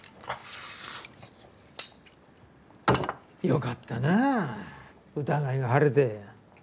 よかったな疑いが晴れて。